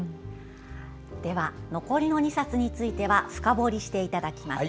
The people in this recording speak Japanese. では残りの２冊については深掘りしていただきます。